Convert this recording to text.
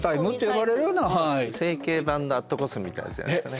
だから整形版のアットコスメみたいなやつじゃないですかね。